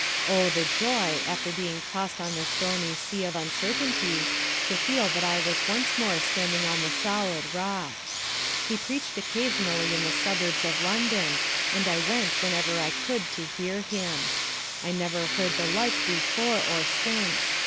Oh, the joy, after being tossed on the stormy sea of uncertainty, to feel that I was once more standing on the solid rock! He preached occasionally in the suburbs of London, and I went whenever I could to hear him. I never heard the like before or since.